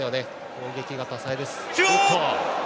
攻撃が多彩です。